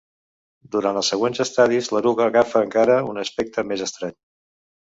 Durant els següents estadis l'eruga agafa encara un aspecte més estrany.